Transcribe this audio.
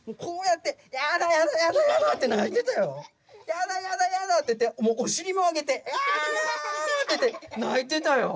やだやだやだって言ってお尻も上げてあんって泣いてたよ。